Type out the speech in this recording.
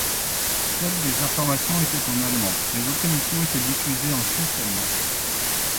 Seules les informations étaient en Allemand, les autres émissions étaient diffusées en Suisse-allemand.